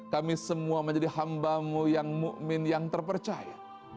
kami semua menjadi hambamu yang mu'min yang terpercaya